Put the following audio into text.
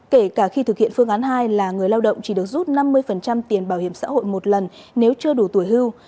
kể cả khi thực hiện phương án hai là người lao động chỉ được rút năm mươi tiền bảo hiểm xã hội một lần nếu chưa đủ tuổi hưu